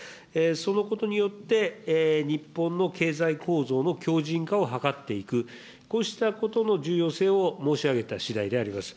そのことによって、日本の経済構造の強じん化を図っていく、こうしたことの重要性を申し上げたしだいであります。